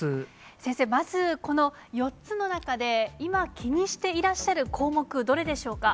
先生、まずこの４つの中で今、気にしていらっしゃる項目、どれでしょうか。